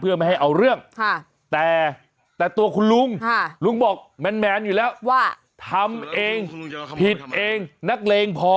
เพื่อไม่ให้เอาเรื่องแต่ตัวคุณลุงลุงบอกแมนอยู่แล้วว่าทำเองผิดเองนักเลงพอ